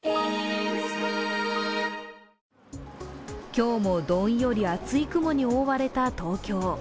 今日もどんより厚い雲に覆われた東京。